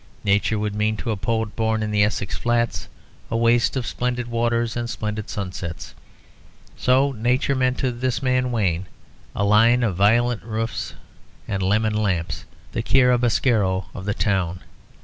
Nature would mean to a poet born in the Essex flats, a waste of splendid waters and splendid sunsets. So nature meant to this man Wayne a line of violet roofs and lemon lamps, the chiaroscuro of the town.